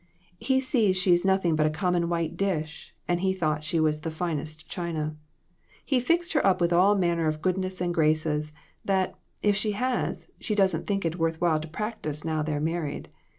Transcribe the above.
He sees she's nothing but a common white dish, and he thought she was the finest china. He fixed her up with all manner of goodnesses and graces, that, if she has, she doesn't think it worth while to practice now they're married.